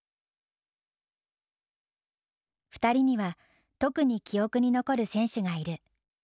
２人には特に記憶に残る選手がいる。